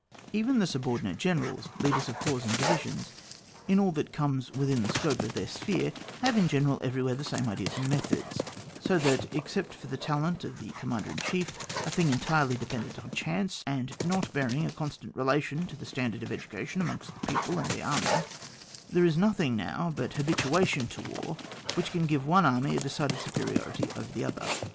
Even the subor ON WAR. [book ▼. dinate generals, leaders of corps and divisions, in all that comes within the scope of their sphere, have in general everywhere the same ideas and methods, so that, except the talent of the com mander in chief— a thing entirely de pendent on chance, and not bearing a constant relation to the standard of edu cation amongst the people and the army — there is nothing now but habituation to war which can give one army a decided Buperiority over another.